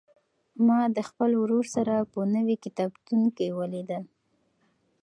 ما د خپل ورور سره په نوي کتابتون کې ولیدل.